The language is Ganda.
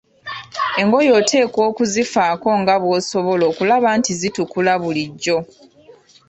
Engoye oteekwa okuzifaako nga bw'osobola okulaba nti zitukula bulijjo.